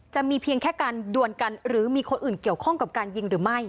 จะมีเพียงแค่การด่วนกันหรือมีคนอื่นเกี่ยวข้องกับการยิงหรือไม่